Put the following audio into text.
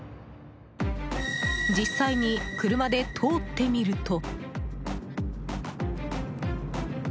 実際に車で通ってみると。